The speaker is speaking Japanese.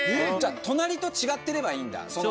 じゃあ隣と違ってればいいんだ。